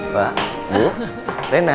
pak bu rena